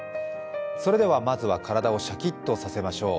それではまずは体をシャキッとさせましょう。